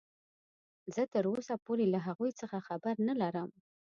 زه تراوسه پورې له هغوې څخه خبر نلرم.